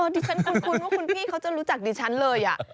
ดิฉันคุ้นว่าคุณพี่เขาจะรู้จักดิฉันเลย